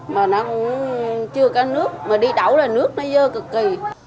mà nó cũng chưa có nước mà đi đậu là nước nó dơ cực kỳ